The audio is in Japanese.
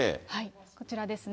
こちらですね。